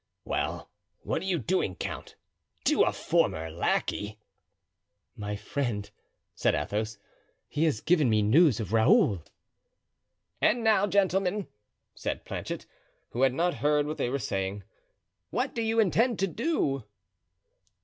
"Well, what are you doing, count—to a former lackey? "My friend," said Athos, "he has given me news of Raoul." "And now, gentlemen," said Planchet, who had not heard what they were saying, "what do you intend to do?"